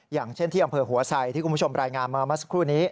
อย่างเช่นที่อำเภอหัวไสที่คุณผู้ชมรายงานมาเมื่อสักครู่นี้